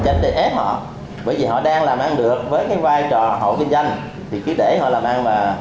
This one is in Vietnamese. tránh để ép họ bởi vì họ đang làm ăn được với cái vai trò hộ kinh doanh thì cứ để họ làm ăn mà